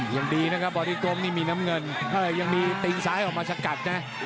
ยังดีนะครับบอดี้กงนี่มีน้ำเงินยังมีตีนซ้ายออกมาสกัดนะ